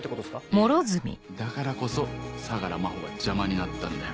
いやいやだからこそ相良真帆が邪魔になったんだよ。